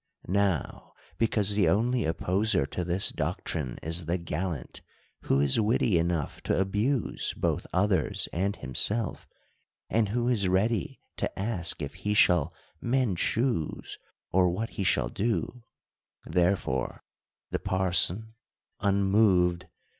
Now because the only opposer to this doctrine is the gallant, who is witty enough to abuse both others and himself, and who is ready to ask if he shall mend shoes, or what he shall do ; therefore the parson, unmoved.